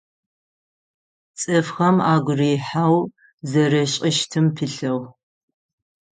Цӏыфхэм агу рихьэу зэришӏыщтым пылъыгъ.